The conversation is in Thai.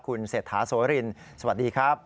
คุณเศรษฐาโสรินสวัสดีครับ